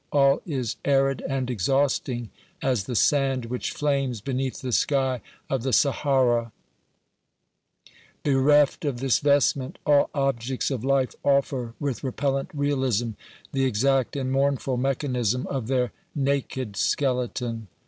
All is arid and exhausting as the sand which flames beneath the sky of the Sahara ; bereft of this vestment, all objects of life offer, with repellent realism, the exact and mournful mechanism of their naked skeleton.